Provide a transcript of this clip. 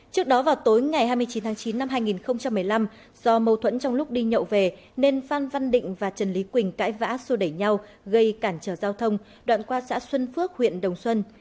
trước đó vào tối ngày hai mươi chín tháng chín năm hai nghìn một mươi năm do mâu thuẫn trong lúc đi nhậu về nên phan văn định và trần lý quỳnh cãi vã xô đẩy nhau gây cản trở giao thông đoạn qua xã xuân phước huyện đồng xuân